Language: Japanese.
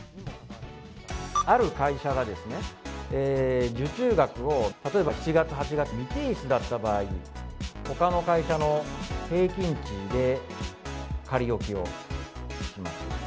ある会社がですね、受注額を例えば７月８月、未提出だった場合、他の会社の平均値で仮起きをします。